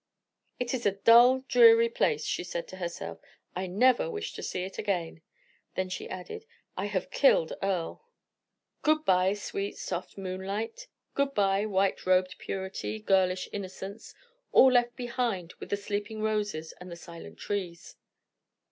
"It is a dull, dreary place," she said to herself; "I never wish to see it again." Then she added: "I have killed Earle." Good bye, sweet, soft moonlight; good bye, white robed purity, girlish innocence all left behind with the sleeping roses and the silent trees!